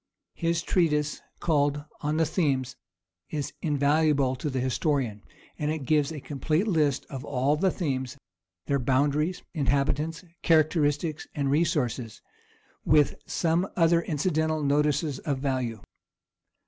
His treatise called "On the Themes" is invaluable to the historian, as it gives a complete list of the Themes, their boundaries, inhabitants, characteristics, and resources, with some other incidental notices of value.